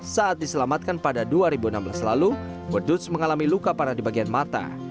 saat diselamatkan pada dua ribu enam belas lalu wedus mengalami luka parah di bagian mata